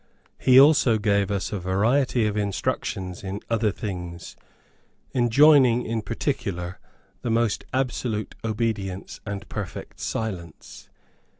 He also gave us a variety of instructions in other things, enjoining in particular the most absolute obedience and perfect silence.